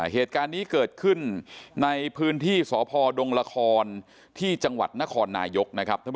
เหตุการณ์นี้เกิดขึ้นในพื้นที่สพดละครที่จังหวัดนครนายก